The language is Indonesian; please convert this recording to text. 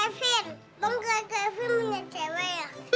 kak kevin lo gak kayak kevin punya cewek ya